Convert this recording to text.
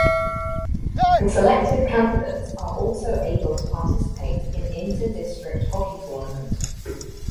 The selected candidates are also able to participate in Inter District Hockey tournament.